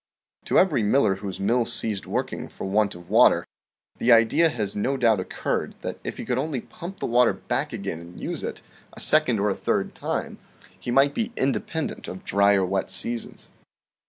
To every miller whose mill ceased working for want of water, the idea has no doubt occurred that if he could only pump the water back again and use it, a second or a third time he might be independent of dry or wet seasons.